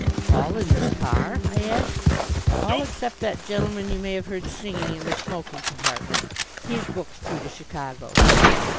"All in this car?" I asked. "All except that gen'lman you may have heard singing in the smoking compartment. He's booked through to Chicago."